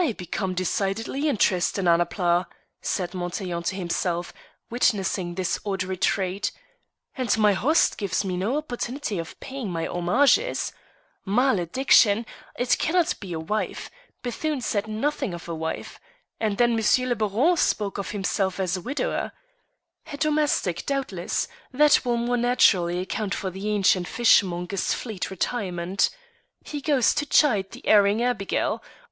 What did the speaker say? "I become decidedly interested in Annapla," said Montaiglon to himself, witnessing this odd retreat, "and my host gives me no opportunity of paying my homages. Malediction! It cannot be a wife; Bethune said nothing of a wife, and then M. le Baron spoke of himself as a widower. A domestic, doubtless; that will more naturally account for the ancient fishmonger's fleet retirement. He goes to chide the erring Abigail.